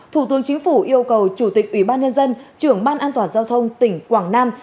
thủ tướng chính phủ yêu cầu chủ tịch ủy ban nhân dân trưởng ban an toàn giao thông tỉnh quảng nam